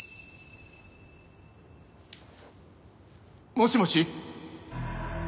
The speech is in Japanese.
もしもし？